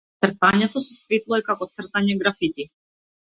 Цртањето со светло е како цртање графити.